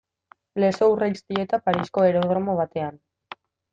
Lezo Urreiztieta Parisko aerodromo batean.